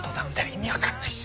意味分かんないし。